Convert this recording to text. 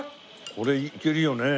これいけるよね。